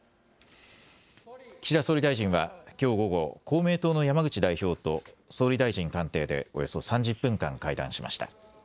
岸田総理大臣はきょう午後、公明党の山口代表と総理大臣官邸でおよそ３０分間会談しました。